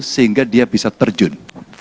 sehingga dia bisa terjun